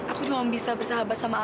aku cuma bisa bersahabat sama aku